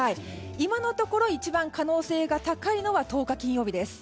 今のところ一番可能性が高いのは１０日、金曜日です。